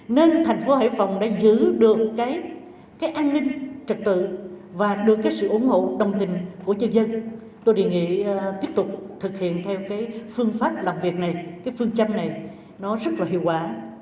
nên thành phố hải phòng đã giữ được cái an ninh trật tự và được cái sự ủng hộ đồng tình của nhân dân tôi đề nghị tiếp tục thực hiện theo cái phương pháp làm việc này cái phương châm này nó rất là hiệu quả